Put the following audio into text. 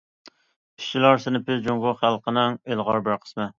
ئىشچىلار سىنىپى جۇڭگو خەلقىنىڭ ئىلغار بىر قىسمى.